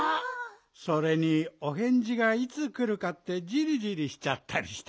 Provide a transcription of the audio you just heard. それにおへんじがいつくるかってじりじりしちゃったりして。